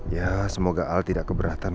ya semoga al tidak keberatan